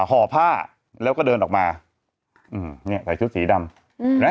ห่อผ้าแล้วก็เดินออกมาอืมเนี่ยใส่ชุดสีดำอืมนะ